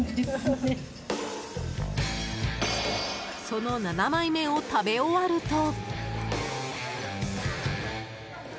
その７枚目を食べ終わると。